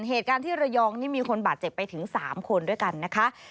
เหตุการณ์ที่ระยองนี่มีคนบาดเจ็บไปถึง๓คนด้วยกันนะคะ